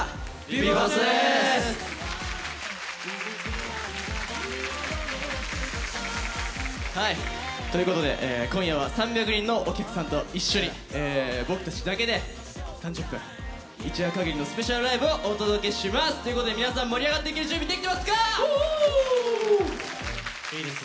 ＢＥ：ＦＩＲＳＴです！ということで今夜は３００人のお客さんと一緒に僕たちだけで３０分一夜限りのスペシャルライブをお届けします！ということで皆さん盛り上がっていける準備できてますか？